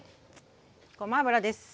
ごま油です。